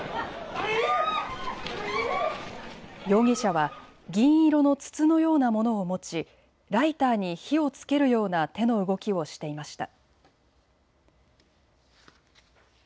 容疑者は銀色の筒のようなものを持ちライターに火をつけるような手の動きをしていました。